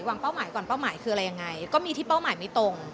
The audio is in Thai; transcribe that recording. เป้าหมายก่อนเป้าหมายคืออะไรยังไงก็มีที่เป้าหมายไม่ตรง